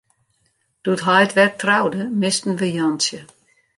Doe't heit wer troude, misten we Jantsje.